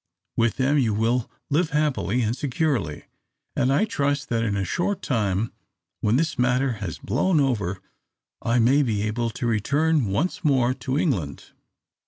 With them you will live happily and securely; and I trust that in a short time, when this matter has blown over, I may be able to return once more to England."